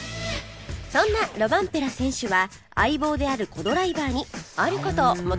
そんなロバンペラ選手は相棒であるコ・ドライバーにある事を求めるそうです